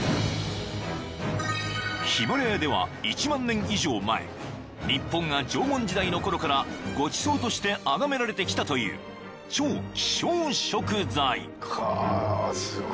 ［ヒマラヤでは１万年以上前日本が縄文時代のころからごちそうとしてあがめられてきたという超希少食材］